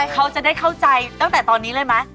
เขาจะได้เข้าใจตั้งแต่ตอนนี้เลยไหม